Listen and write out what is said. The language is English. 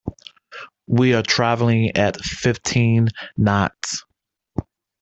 We are travelling at fifteen knots.